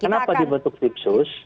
kenapa dibentuk tim sus